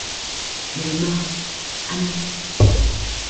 Elle est morte à Nice.